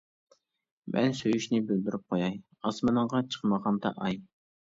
مەن سۆيۈشنى بىلدۈرۈپ قوياي، ئاسمىنىڭغا چىقمىغاندا ئاي.